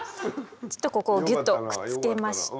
ちょっとここをギュッとくっつけまして。